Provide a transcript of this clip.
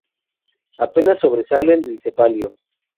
Apenas sobresalen del cefalio.